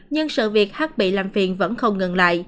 nhưng sự việc h bị làm phiền vẫn không ngừng lại